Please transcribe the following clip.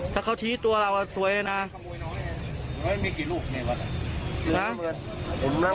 ถ้าเขาทีตัวเราอะสวยเลยนะถ้าเขาขโมยน้อยเนี่ยมีกี่ลูกเนี่ยวะ